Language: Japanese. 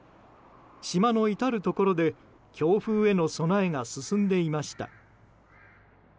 島の至るところで強風への備えが進んでいました。